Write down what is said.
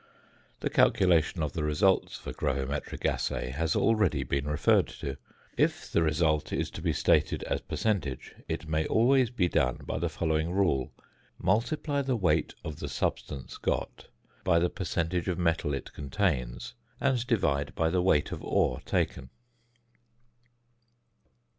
The calculation of the results of a gravimetric assay has already been referred to. If the result is to be stated as percentage, it may always be done by the following rule: _Multiply the weight of the substance got by the percentage of metal it contains, and divide by the weight of ore taken.